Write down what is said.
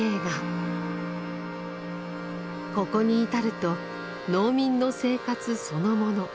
ここに至ると農民の生活そのもの